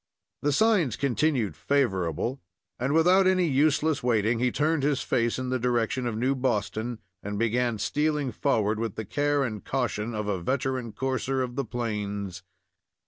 The signs continued favorable, and, without any useless waiting, he turned his face in the direction of New Boston and began stealing forward, with the care and caution of a veteran courser of the plains.